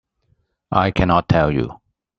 I cannot tell you.